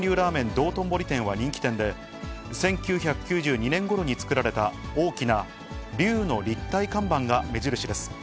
道頓堀店は人気店で、１９９２年ごろに作られた、大きな龍の立体看板が目印です。